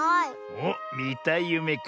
おっみたいゆめか。